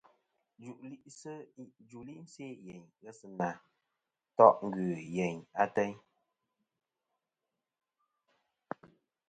Jù'lɨ se' yeyn ghesɨna to' ngœ yèyn ateyn.